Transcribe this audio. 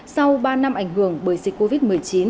sau ba năm ảnh hưởng bởi dịch covid một mươi chín